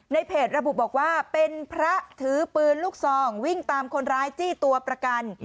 เพจระบุบอกว่าเป็นพระถือปืนลูกซองวิ่งตามคนร้ายจี้ตัวประกัน